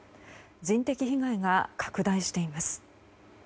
人的被害が拡大しています。